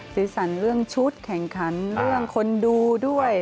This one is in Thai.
สีสันเรื่องชุดแข่งขันเรื่องคนดูด้วย